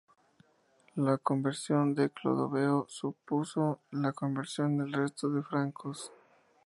La conversión de Clodoveo supuso la conversión del resto de francos.